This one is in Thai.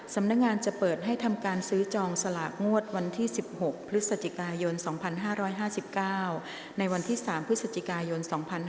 สำนักงานจะเปิดให้ทำการซื้อจองสลากงวดวันที่๑๖พฤศจิกายน๒๕๕๙ในวันที่๓พฤศจิกายน๒๕๕๙